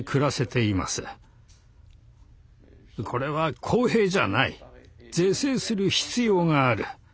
「これは公平じゃない。是正する必要がある」。